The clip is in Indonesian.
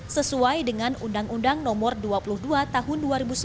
sesuai dengan undang undang nomor dua puluh dua tahun dua ribu sembilan